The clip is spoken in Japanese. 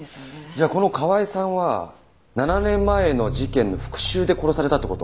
じゃあこの川井さんは７年前の事件の復讐で殺されたって事？